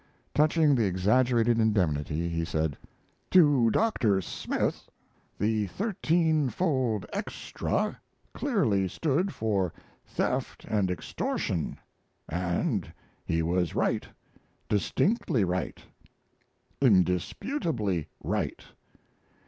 Touching the exaggerated indemnity, he said: To Dr. Smith the "thirteen fold extra" clearly stood for "theft and extortion," and he was right, distinctly right, indisputably right.